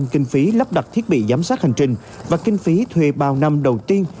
kinh phí lắp đặt thiết bị giám sát hành trình và kinh phí thuê bao năm đầu tiên